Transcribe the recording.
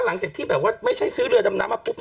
หลังจากที่แบบว่าไม่ใช่ซื้อเรือดำน้ำมาปุ๊บ